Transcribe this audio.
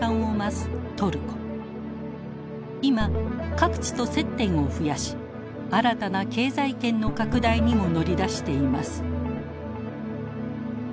今各地と接点を増やし新たな経済圏の拡大にも乗り出しています。